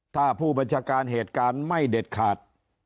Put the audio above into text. ถ้าผู้บัญชาการเหตุการณ์ไม่เด็ดขาด